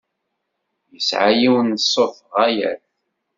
Yesɛa yiwen n ṣṣut ɣaya-t.